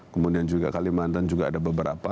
kemudian juga kalimantan juga ada beberapa